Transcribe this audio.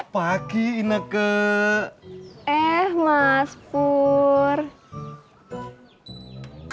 jalan dulu bang folgaku